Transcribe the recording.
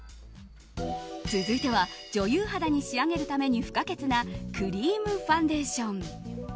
続いては女優肌に仕上げるために不可欠なクリームファンデーション。